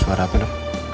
suara apa itu